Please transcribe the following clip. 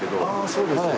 そうですか。